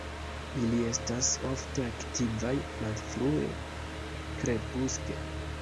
Ili estas ofte aktivaj malfrue krepuske.